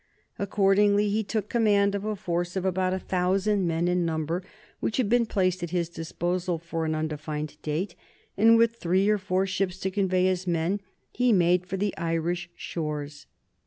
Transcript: Accordingly he took command of a force of about a thousand men in number which had been placed at his disposal for an undefined date, and with three or four ships to convey his men he made for the Irish shores.